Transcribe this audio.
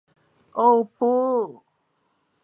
喔不